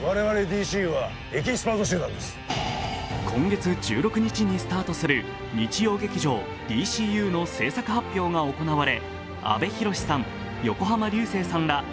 今月１６日にスタートする日曜劇場「ＤＣＵ」の制作発表が行われ、阿部寛さん、横浜流星さんら